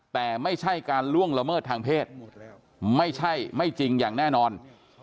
แต่ไม่ใช่การล่วงละเมิดทางเพศไม่ใช่ไม่จริงอย่างแน่นอน